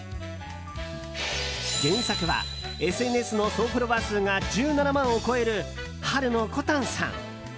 原作は、ＳＮＳの総フォロワー数が１７万を超えるはるのコタンさん。